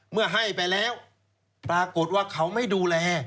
เมื่อให้ไปแล้วปรากฏว่าเขาไม่ดูแล